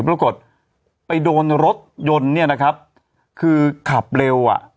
ปรากฏไปโดนรถยนต์เนี่ยนะครับคือขับเร็วอ่ะ